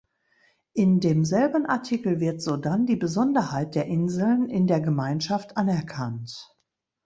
In demselben Artikel wird sodann die Besonderheit der Inseln in der Gemeinschaft anerkannt.